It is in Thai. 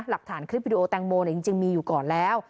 หลักฐานคลิปวิดีโอแตงโมจริงมีอยู่ก่อนแล้ว